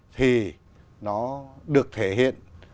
thì nó được thể hiện